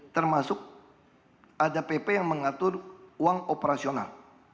termasuk ada pp yang mengatur uang operasional